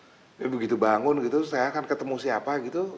jadi begitu bangun gitu saya akan ketemu siapa